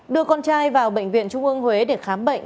đưa con trai vào bệnh viện trung ương huế để khám bệnh